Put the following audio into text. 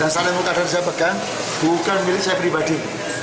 dan saleh mukadar yang saya pegang bukan milik saya pribadi